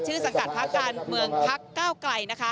ชื่อสังกัดภาคการเมืองพรรคเก้าไกล